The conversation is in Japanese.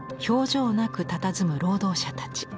情なくたたずむ労働者たち。